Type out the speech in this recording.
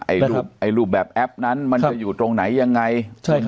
ไอ้รูปแบบแอปนั้นมันจะอยู่ตรงไหนยังไงใช่ครับ